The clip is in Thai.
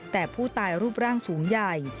แต่ผู้ตายรูปร่างสูงใหญ่